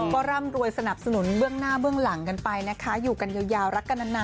ก็ร่ำรวยสนับสนุนเบื้องหน้าเบื้องหลังกันไปนะคะอยู่กันยาวรักกันนาน